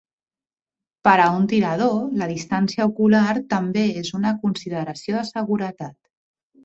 Per a un tirador, la distància ocular també és una consideració de seguretat.